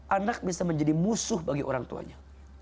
anak bisa menjadi musuh bagi orang tuanya